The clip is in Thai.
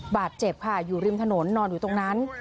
บาดเจ็บค่ะอยู่ริมถนนนอนอยู่ตรงนั้น